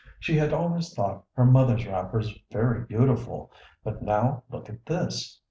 She had always thought her mother's wrappers very beautiful, but now look at this!